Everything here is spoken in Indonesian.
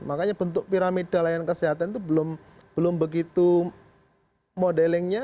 makanya bentuk piramida layanan kesehatan itu belum begitu modelingnya